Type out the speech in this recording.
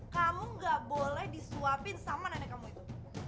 kamu gak boleh disuapin sama nenek kamu itu